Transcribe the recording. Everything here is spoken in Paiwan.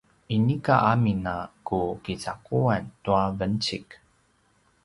inika amin a ku kicaquan tua vencik